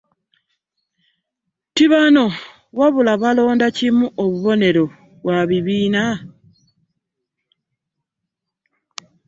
Nti bano wabula balonda kimu obubonero bwa bibiina.